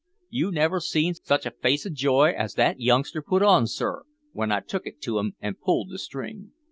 "You never see such a face o' joy as that youngster put on, sir, w'en I took it to him an' pulled the string.